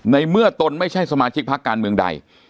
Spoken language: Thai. ในเมื่อตนไม่ใช่สมาชิกพักการเมืองใด